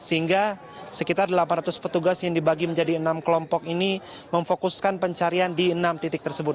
sehingga sekitar delapan ratus petugas yang dibagi menjadi enam kelompok ini memfokuskan pencarian di enam titik tersebut